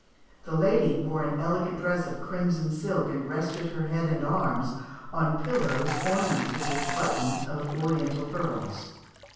The lady wore an elegant dress of crimson silk, and rested her head and arms on pillows, ornamented with buttons of oriental pearls.